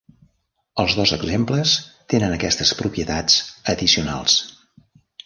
Els dos exemples tenen aquestes propietats addicionals.